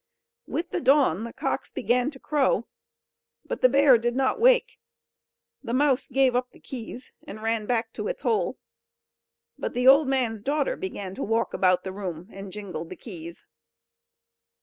With the dawn the cocks began to crow, but the bear did not wake. The mouse gave up the keys, and ran back to its hole; but the old man's daughter began to walk about the room, and jingled the keys.